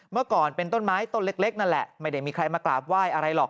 เมื่อก่อนเป็นต้นไม้ต้นเล็กนั่นแหละไม่ได้มีใครมากราบไหว้อะไรหรอก